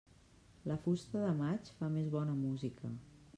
La fusta de maig fa més bona música.